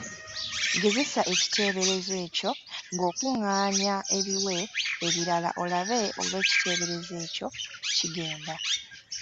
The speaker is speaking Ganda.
Gezesa ekiteeberezo ekyo ng’okuŋŋaanya ebiwe ebirala olabe oba ekiteeberezo kigenda.